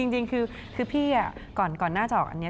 จริงจริงก่อนขนาดจะออกนี้